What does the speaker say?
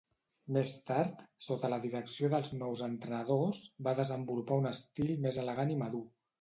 Més tard, sota la direcció dels nous entrenadors, va desenvolupar un estil més elegant i madur.